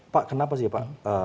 pak kenapa sih